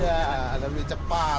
iya lebih cepat